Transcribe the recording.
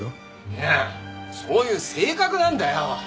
いやそういう性格なんだよ。